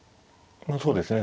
そうですね。